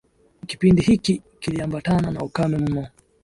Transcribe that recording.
Kipindi hiki kiliambatana na ukame mno